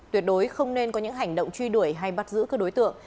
tuyệt đối không nên có những hành động truy đuổi hay bắt giữ các đối tượng